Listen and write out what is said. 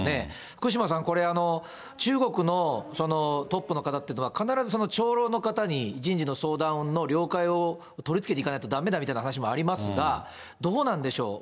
福島さん、これ、中国のトップの方っていうのは、必ず長老の方に人事の相談の了解を取り付けていかないとだめだみたいな話もありますが、どうなんでしょう？